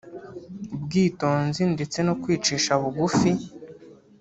ubwitonzi ndetse no kwicisha bugufi